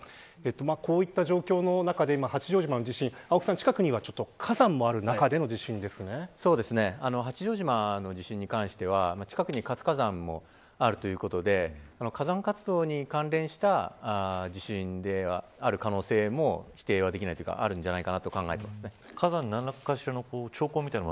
こういった状況の中で八丈島の地震青木さん、近くには活火山もある八丈島の地震に関しては近くに活火山もあるということで火山活動に関連した地震である可能性も否定はできないというかあるんじゃないかと考えてます。